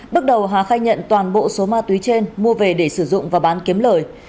bước đầu hà khai nhận toàn bộ số ma túy trên mua về để sử dụng và bán kiếm lời